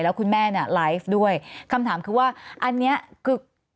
แล้วคุณแม่เนี่ยไลฟ์ด้วยคำถามคือว่าอันนี้คือ